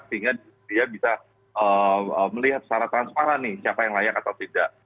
sehingga dia bisa melihat secara transparan nih siapa yang layak atau tidak